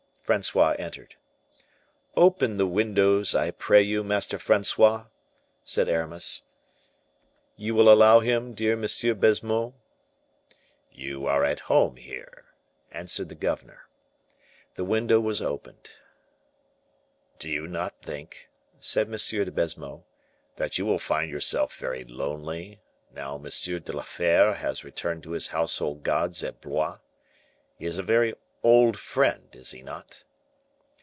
Francois entered. "Open the windows, I pray you, Master Francois," said Aramis. "You will allow him, dear M. Baisemeaux?" "You are at home here," answered the governor. The window was opened. "Do you not think," said M. de Baisemeaux, "that you will find yourself very lonely, now M. de la Fere has returned to his household gods at Blois? He is a very old friend, is he not?"